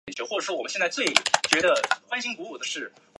是粤东五大河流中污染指数最严重的河流。